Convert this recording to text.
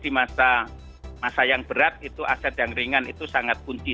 di masa yang berat itu aset yang ringan itu sangat kunci